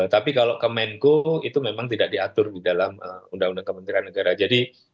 tapi kalau kemenko itu memang tidak diatur di dalam undang undang kementerian negara